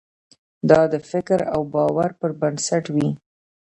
دا د فکر او باور پر بنسټ وي.